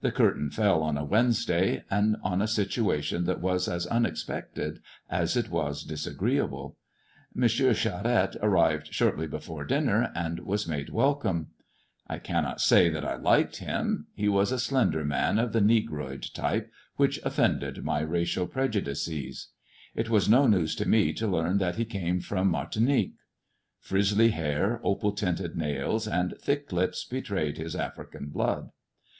The curtain fell on a Wednesday, and on a I situation that was as unexpected as it was disagreeable. M. Charette att'tvei bVoAV^ \i^ora dinner, and was made MT COUSIN FROM FRANCE 377 welcome. I cannot say that I liked hha. He was a slender man of the Negroid type, which offended my racial {n^judices. It was no news to me to learn that he came from Martinique. Frizzly hfiir, opal tinted nails, and thick lips betrayed his African blood.